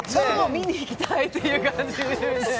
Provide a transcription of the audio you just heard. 見に行きたい！っていう感じですよね。